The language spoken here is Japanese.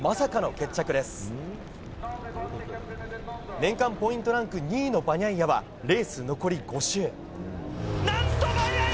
年間ポイントランク２位のバニャイアはレース残り５周。